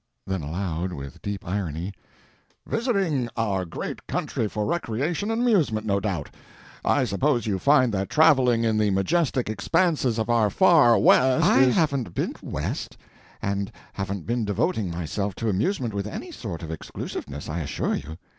Then aloud—with deep irony— "Visiting our great country for recreation and amusement, no doubt. I suppose you find that traveling in the majestic expanses of our Far West is—" "I haven't been West, and haven't been devoting myself to amusement with any sort of exclusiveness, I assure you.